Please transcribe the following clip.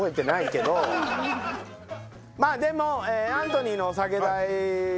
まぁでもアントニーのお酒代と。